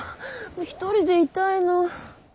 一人でいたいの。